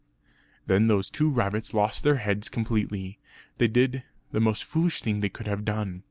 Then those two rabbits lost their heads completely. They did the most foolish thing that they could have done.